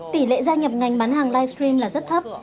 tỷ lệ gia nhập ngành bán hàng livestream là rất thấp